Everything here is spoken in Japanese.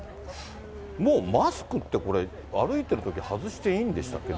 もう、マスクって、これ、歩いてるとき外していいんでしたっけ？